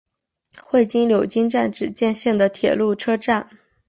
会津柳津站只见线的铁路车站。